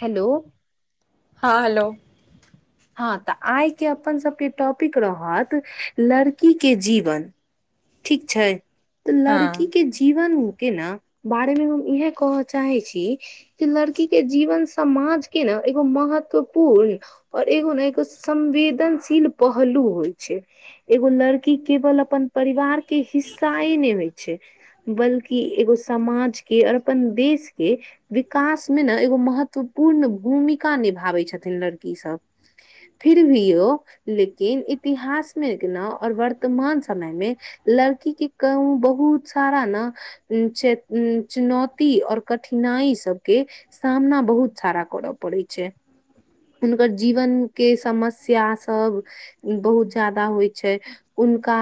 Hello हँ hello हँ तऽ आइके अपन सबके टॉपिक रहत लड़की के जीवन ठीक छै तऽ लड़की हँ के जीवन के न बारे मे हम इह कहऽ चाहै छी कि लड़की के जीवन समाज के ने एगो महत्वपूर्ण और एगो ने एगो संवेदनशील पहलू होइ छै। एगो लड़की केवल अपन परिवार के हिस्साए ने होइ छै बल्कि एगो समाज के और अपन देश के विकास मे ने एगो महत्वपूर्ण भूमिका निभाबै छथिन लड़की सब फिर भी यौ लेकिन इतिहास मे न आओर वर्तमान समय मे लड़की के कहू बहुत सारा न चुनौती आऔर कठिनाइ सभके सामना बहुत सारा करऽ पड़ैत छै। हुनकर जीवनके समस्या सब बहुत ज्यादा होइत छै हुनका।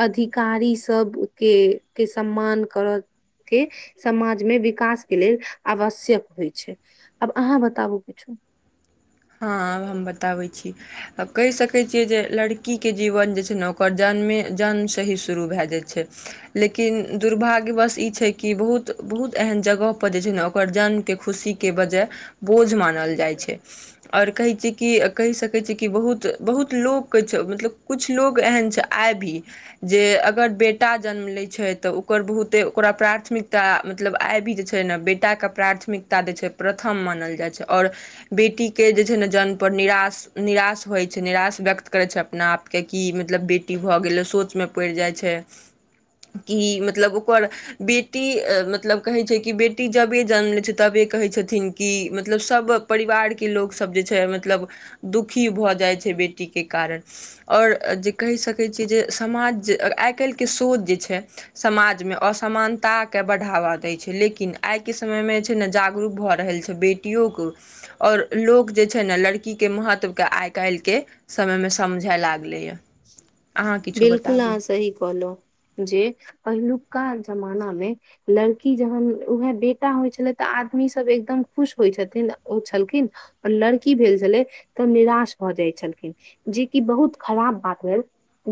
अधिकारी सबके के सम्मान करत के समाज मे विकास के लेल आवश्यक होइ छै आब अहाँ बताबु किछु हँ आब हम बताबै छी आ कहि सकैत छी जे लड़कीक जीवन जे छै ने, ओकर जन्मे-जन्मसँ ही शुरू भऽ जाइ छै। लेकिन दुर्भाग्यवश ई छै कि बहुत-बहुत एहन जगह पर जे छै ने, ओकर जन्मक खुशी के वजह बोझ मानल जाइ छै और कहै छैय कि कहि सकै छै कि बहुत बहुत लोकके मतलब कुछ लोक एहन छै आइ भी जे अगर बेटा जन्म लैत छै तऽ ओकर बहुते ओकरा प्राथमिकता मतलब आइ भी जे छै ने बेटाके प्राथमिकता जे छै प्रथम मानल जाइ छै आओर बेटीक के जे छै ने, जन्म पर निराश। निराश होइत छै निराश व्यक्त करैत छै अपना आपके कि मतलब बेटी भऽ गेलै सोचमे पैड़ जाइ छै कि मतलब ओकर बेटी मतलब कहैत छै कि बेटी जखन जन्म लैत छै, तखनहि कहैत छथिन कि मतलब सभ परिवारके लोकसभ जे छै मतलब दुखी भऽ जाइ छै बेटीके कारण आओर जे कहि सकैत छियै जे समाज आइ काल्हिके सोच जे छै समाज मे असमानताक के बढ़ावा दैत छै लेकिन आइ के समय मे जे छै ने जागरूक भऽ रहल छै बेटियो क आ लोक सभ जे छै ने, लड़कीक महत्वके आइ-काल्हिक समयमे समझल लागल अछि। बिलकुल अहाँ सही कहलो जे पहिलुका जमाना मे लड़की जहन उएहे बेटा होइ छलै तऽ आदमी सब एकदम खुश होइ छथिन ओ छलखिन आ लड़की भेल छलै तऽ निराश भऽ जाइत छलखिन जेकि बहुत खराब बात भेल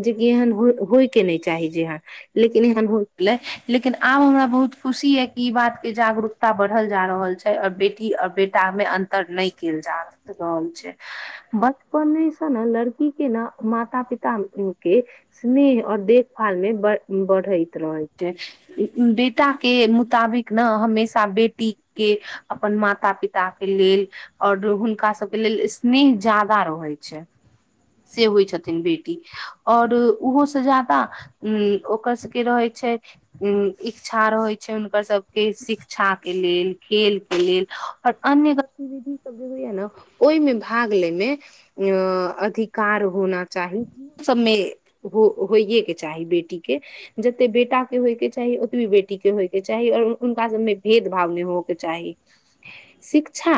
जेक एहन होइ के नहि चाही जेहन लेकिन एहन हो गेलै लेकिन आब हमरा बहुत खुशी य कि ई बात के जागरूक तऽ बढ़ल जा रहल छै, आओर बेटी आ बेटामे अन्तर नहि कहल जा रहल छै। बचपनसँ ने लड़की के न माता पिता के स्नेह और देखभाल मे ब बढ़ैत रहै छै बेटा के मुताबिक ने हमेशा बेटीके अपन माता पिता के लेल ओर हुनका सबके लेल स्नेह जादा रहै छै से होइ छथिन बेटी आओर ओहो से जादा हूँ ओकर से क रहै छै उ इच्छा रहैत छै। हुनकर सभके शिक्षाके लेल खेलके लेल अन्य गतिविधि सब जे होइया ने ओहिमे भाग ले मे अ अधिक कार होना चाही ओ सबमे हो होइएके चाही बेटीक के जते बेटा के होय के चाही ओतबे बेटी के होयके चाही और उनका सबमे भेद भाव नय हो के चाही शिक्षा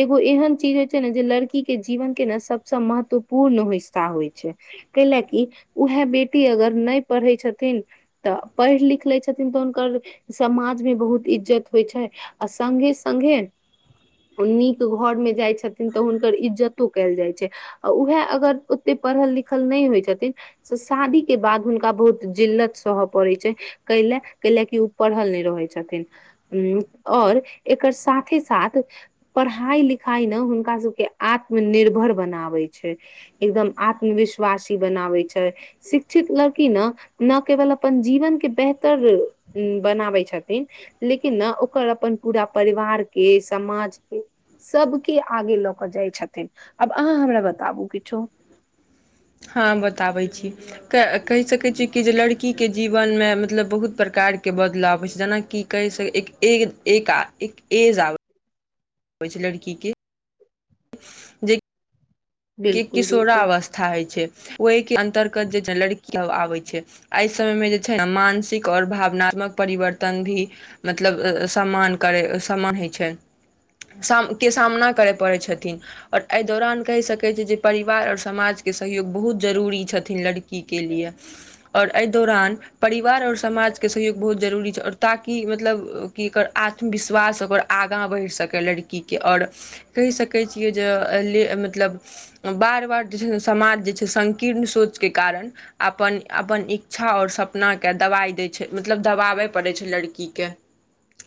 एगो एहन चीज होइ छै ने जे लड़की के जीवन के ने सभसँ महत्वपूर्ण पूर्ण हिस्सा होइ छै कैला कि उएह बेटी अगर नय पढ़ै छथिन तऽ पढ़ि लिख ले छथिन तऽ हुनकर समाज मे बहुत इज्जत होइ छै आ सङघे सङघे नीक घर मे जाइ छथिन तऽ हुनकर इज्जतो कयल जाइ छै आ उएह अगर ओते पढ़ल लिखल नहि होइ छथिन से शादी के बाद हुनका बहुत जिल्लत सहए पड़ैत छै कैला कैला की ओ पढ़ल नय रहै छथिन उ आओर एकर साथे साथ पढ़ाई लिखाई ने हुनका सब के आत्मनिर्भर बनाबे छै एकदम आत्मविश्वासी बनाबै छै। शिक्षित लड़की ने न केवल अपन जीवनके बेहतर बनाबै छथिन लेकिन ने ओकर अपन पूरा परिवारके समाजके सबके आगे लऽ कऽ जाइ छथिन आब अहाँ हमरा बताबू किछो हँ बताबै छी कहि सकैत छियै कि जे लड़कीके जीवनमे मतलब बहुत प्रकारके बदलाव होइ छै जेनाकि कहै छै एक एज आबै होइ छै लड़की के जे बिल्कुल किशोरा बिल्कुल अवस्था हय छै। ओहि के अंतर्गत जे लड़की आबै छै एहि समय मे जे छै ने मानसिक आओर भावनात्मक परिवर्तन भी मतलब सम्मान करै सम्मान होइ छै। स के सामना करय पड़ै छथिन आऔर एहि दौरान कहि सकै कहै छै जे परिवार आओर समाजके सहयोग बहुत जरूरी छथिन लड़कीके लिए और एहि दौरान परिवार और समाजके सहयोग बहुत जरूरी छै और ताकि मतलब कि एकर आत्मविश्वास ओकर आगाँ बढ़ि सकय लड़कीके आओर कहि सकैत छियै जे ले मतलब बार बार जे छै ने समाज जे छै संकीर्ण सोचके कारण अपन अपन ई इच्छा आओर सपनाके दबाइ दै छै मतलब दबाबय पड़ै छै लड़कीकेँ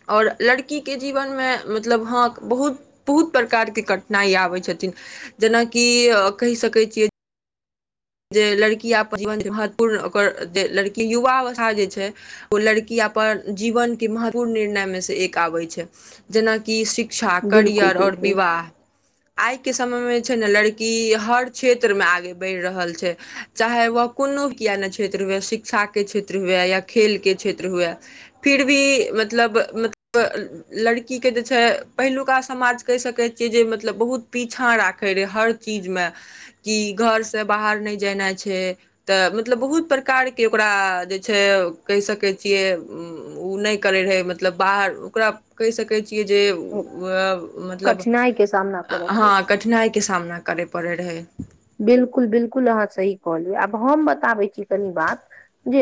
आओर लड़कीके जीवनमे मतलब हँ बहुत बहुत प्रकारके कठिनाइ आबैत छथिन जेनाकि कहि सकैत छियै जे लड़की अपन जीवन महत्वपूर्ण ओकर लड़की युवा अवस्था जे छै। ओ लड़की अपन जीवनके महत्वपूर्ण निर्णयमे से एक आबै छै जेनाकि शिक्षा बिल्कुल करियर और बिल्कुल विवाह आइ के समय में जे छै न लड़की हर क्षेत्र में आगे बैढ़ रहल छै चाहे वह कोनो किए नहि क्षेत्र हुए शिक्षाके क्षेत्र हुए या खेलके क्षेत्र हुए फिर भी मतलब मतलब लड़कीके जे छै पहिलुका समाज कहि सकैत छियै जे मतलब बहुत पीछाँ राखैत रहै हर चीज मे कि घर से बाहर नहि जेनाइ छै तऽ मतलब बहुत प्रकारके ओकरा जे छै कहि सकैत छियै ओ नहि करैत रहै मतलब बाहर ओकरा कहि सकै छियै जे मतलब कठिनाइ के सामना करऽ ह पड़ै छै कठिनाइ के सामना करै पड़ै रहै बिलकुल बिलकुल अहाँ सही कह लियौ आब हम बताबै छी कनी बात जे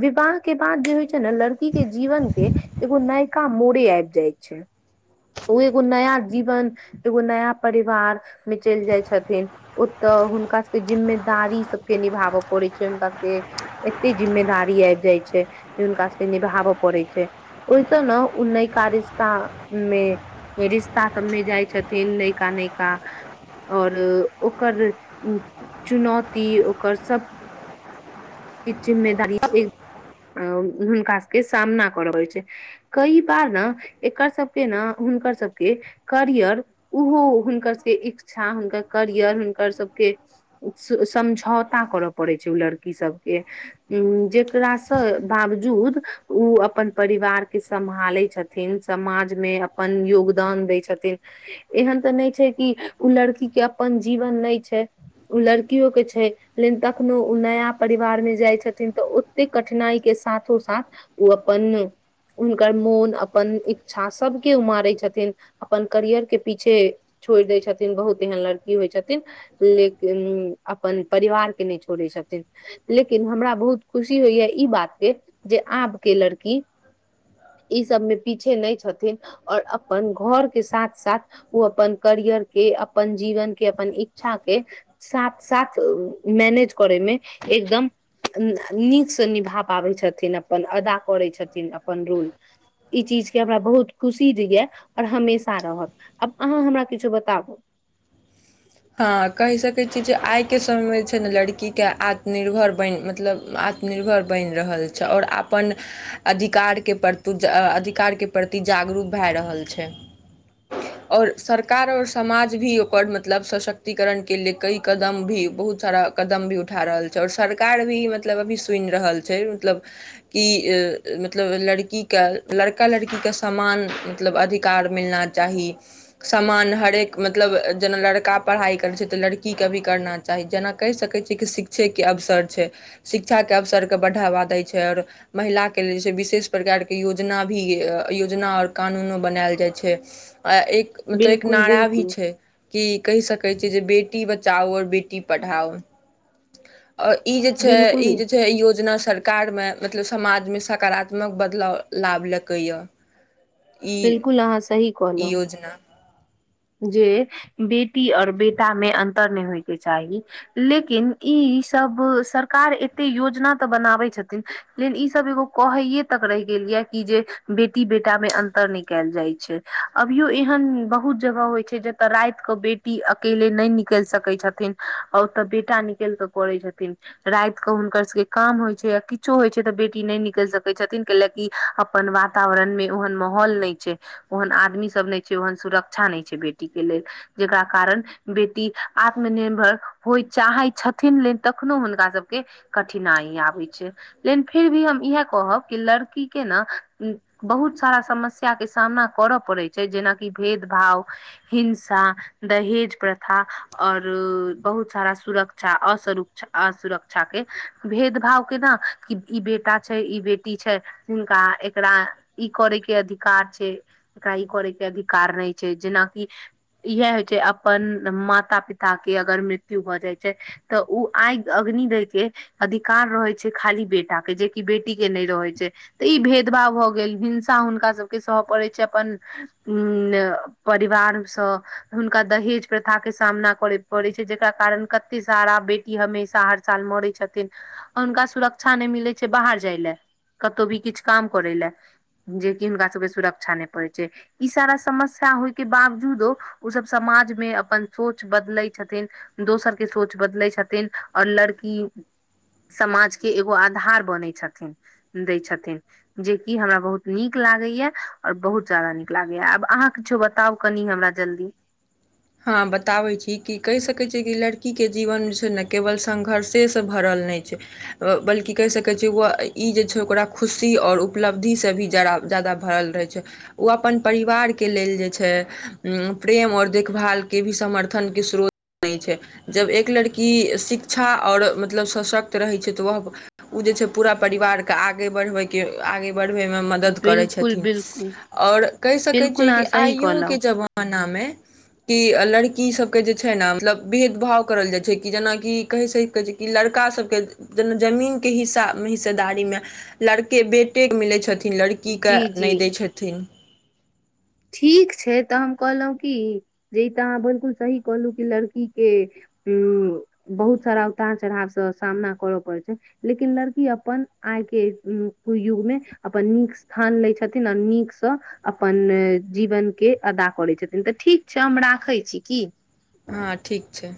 विवाह के बाद जे होइ छै ने लड़की के जीवन के एगो नयका मोड़े आबि जाइ छै ओ एगो नया जीवन एगो नया परिवार मे चलि जाई छथिन ओतऽ हुनका सभके जिम्मेदारी सबके निभाबऽ पड़ैत छै हुनका सभके एते जिम्मेदारी आबि जाई छै जे हुनका से निभाबऽ पड़ै छै ओहि तऽ ने उ नयका रिस्तामे रिश्ता सबमे जाइ छथिन नयका नयका आओर ओकर चुनौती ओकर सब छ जिम्मेदारी हुनका सबके सामना करऽ छै [unintelligible] कई बार ने एकर सबके ने हुनकर सबके करियर ओहो हुनकर सभके इच्छा हुनकर करियर हुनकर सभके समझौता करय पड़ै छै ओ लड़की सभके उ जेकरास से बावजूद ओ अपन परिवार के सम्हाले छथि छथिन समाज मे अपन योगदान दै छथिन एहन तऽ नहि छै की ओ लड़की के अपन जीवन नहि छै ओ लड़कियो के छै लेकिन तखनो ओ नया परिवार मे जाइ छथिन तऽ ओते कठिनाइ के साथो साथ ओ अपन हुनकर मोन अपन इच्छा सबके उ मारै छथिन अपन करियर के पीछे छोड़ि दै छथिन बहुत एहन लड़की होइ छथिन लेकिन अपन परिवार के नहि छोड़ै छथिन लेकिन हमरा बहुत खुशी होइया ई बात पे जे आब के लड़की ई सब मे पीछे नहि छथिन ओर अपन घर के साथ साथ ओ अपन करियर के अपन जीवन के अपन इच्छा के साथ साथ मैनेज करैमे एकदम नीकसँ निभा पाबै छथिन अपन अदा करै छथिन अपन रूल ई चीज के हमरा बहुत खुशी द ये और हमेशा रहत आब अहाँ हमरा किछु बताबू हँ कहि सकै छियै जे आइके समयमे जे छै ने लड़कीके आत्मनिर्भर बनि मतलब आत्म निर्भर बनि रहल छै आओर अपन अधिकारके प्रति अधिकारके प्रति जागरूक भै रहल छै ओर सरकार आओर समाज भी ओकर म मतलब सशक्तिकरणके लिए कई कदम भी बहुत सारा कदम भी उठा रहल छै आओर सरकार भी मतलब मतलब अभी सुनि रहल छै मतलब की मतलब लड़कीके लड़का लड़कीके समान मतलब अधिकार मिलना चाही समान हरेक मतलब जेना लर लड़का पढ़ाइ करै छै तऽ लड़कीके भी करना चाही जेना कहि सकैत छियै कि शिक्षेके अवसर छै शिक्षाके अवसरके बढ़ावा दै छै आओर महिला के लेल जे छै विशेष प्रकार के योजना भी योजना आओर कानूनो बनायल जाइ छै आ एक मतलब एक बिल्कुल नारा भी बिल्कुल छै कि कहि सकै छै जे बेटी बचाओ आ बेटी पढ़ाओ आऔर ई जे छै ई बिल्कुल जे छै योजना सर कार्यमे मतलब समाज में सकारात्मक बदलाव लाबलकये ह ई बिल्कुल अहाँ सही ई कहलहुँ योजना जे बेटी ओर बेटा मे अन्तर नहि होयके चाही लेकिन ईसभ सरकार एते योजना तऽ बनाबै छथिन लेकिन ईसभ लोक कहैेये तक रहि गेल यै कि जे बेटी बेटा मे अन्तर नहि कयल जाइ छै अभियो एहन बहुत जगह होइ छै जतऽ राति के बेटी अकेले नहि निकल सकै छथिन आ ओतऽ बेटा निकल के परै छथिन रातति कऽ हुनकर सबके काम होइ छै य किछो होइ छै तऽ बेटी नहि निकलि सकैत छथिन के ल कि अपन वातावरण में ओहन माहौल नहि छै ओहन आदमी सब नहि छै ओहन सुरक सुरक्षा नहि छै बेटी के लेल जेकरा कारण बेटी आत्मनिर्भर होइ चाहै छथिन ल तखनो हुनका सभके कठिनाई आबै छै लेकिन फिर भी हम इएह कहब की लड़की के ने बहुत सारा समस्या के सामना करय पड़ै छै जेनाकि भेदभाव हिंसा दहेज प्रथा और बहुत सारा सुरक्षा असुरक्षा आ सुरक्षा के भेद भाव केना कि ई बेटा छै ई बेटी छै हिनका एकरा ई करे के अधिकार छै एकरा ई करे के अधिकार नहि जेनाकि इह होइ छै अपन माता पिता के अगर मृत्यु भऽ जाइ छै तऽ ओ आगि अग्नि दैके अधिकार रहै छै खाली बेटा केँ जेकि बेटी के नहि रहै छै तऽ ई भेदभाव भऽ गेल हिंसा हुनका सभके सहय पड़ैत छै अपन उ परिवार सँ हुनका दहेज प्रथा के सामना करय पड़ै छै जेकरा कारण कते सारा बेटी ई हमेशा हर साल मरै छथिन्ह आ हुनका सुरक्षा नहि मिलै छै बाहर जाय लए कतहु भी किछ काम करै लैए जेकि हुनका सबके सुरक्षा नहि पड़े छै ई सारा समस्या होए के बावजूदो ओ सब समाज मे अपन सोच बदलै छथिन दोसर के सोच बदलैत छथिन आओर लङकि समाजके एगो आधार बनै छथिन दै छथिन्ह जेकि हमरा बहुत नीक लागैया आओर बहुत ज्यादा नीक लागैए आब अहाँ किछो बता आब कनि हमरा जल्दी हँ बताबै छी कि कहि सकैत छियै कि लड़कीके जीवन जे छै ने केवल संघर्षेसँ भरल नेताक छै बल्कि कहि सकै छै ई जे छै ओकरा खुशी आऔर उपलब्धि से भी जरावय जादा भरल रहै छै ओ अपन परिवारके लेल जे छै प्रेम ओर देखभाल के भी समर्थन के स्त्रोत नहि छै जब एक लड़की शिक्षा आओर मतलब सशक्त रहै छै तऽ वह ओ जे छै पूरा परिवारके आगे बढ़बयके आगे पढ्बैत मदद करै बिल्कुल छथि बिल्कुल बिल्कुल अहाँ सही कहलौं पनामे [unintelligible] की लड़की सब के जे छै ने मतलब भेद भाव करल जाय छै की जेनाकि कहि सके कि लड़काभके जेना जमीनके हिस्सा हिस्सेदारी मे लड़के बेटे मिलै छथिन लड़किके जी नहि जी दै छथिन ठीक छै तऽ हम कहलहुँ की जे ई तऽ अहाँ बल्कुल सही कहलहु कि लड़किके हूं बहुत सारा उतार चढ़ाव से सामना करऽ पड़तै लेकिन लड़की अपन आइ के युग मे अपन निक स्थान लैए छथिन आ नीकसँ अपन जीवन के अदा करै छथिन तऽ ठीक छै हम राखै छि कि हँ ठीक छै